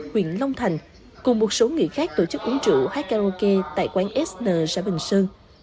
huyện long thành cùng một số người khác tổ chức uống trượu hát karaoke tại quán sn xã bình sơn